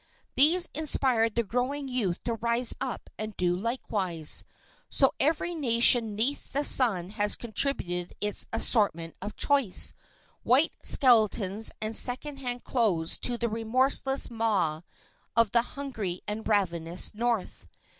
These inspired the growing youth to rise up and do likewise. So every nation 'neath the sun has contributed its assortments of choice, white skeletons and second hand clothes to the remorseless maw of the hungry and ravenous north.